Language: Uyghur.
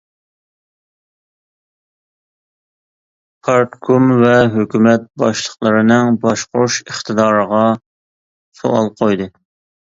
پارتكوم ۋە ھۆكۈمەت باشلىقلىرىنىڭ باشقۇرۇش ئىقتىدارىغا سوئال قويدى.